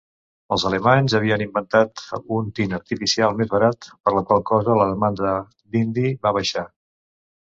Els alemanys havien inventat un tint artificial més barat, per la qual cosa la demanda d'indi va baixar.